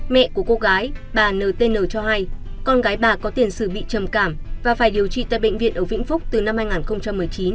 mẹ của cô gái bà ntn cho hay con gái bà có tiền sử bị trầm cảm và phải điều trị tại bệnh viện ở vĩnh phúc từ năm hai nghìn một mươi chín